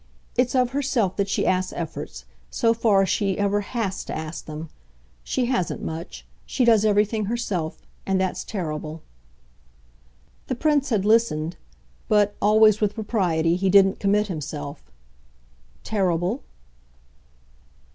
It's of herself that she asks efforts so far as she ever HAS to ask them. She hasn't, much. She does everything herself. And that's terrible." The Prince had listened; but, always with propriety, he didn't commit himself. "Terrible?"